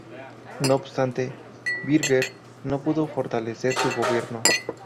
No obstante, Birger no pudo fortalecer su gobierno.